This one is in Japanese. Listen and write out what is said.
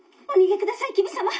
お逃げください黍様。